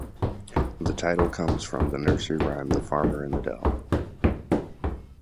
The title comes from the nursery rhyme "The Farmer in the Dell".